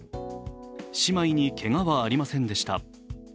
姉妹にけがはありませんでした。